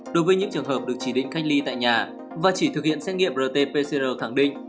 đối với những trường hợp được chỉ định cách ly tại nhà và chỉ thực hiện xét nghiệm rt pcr khẳng định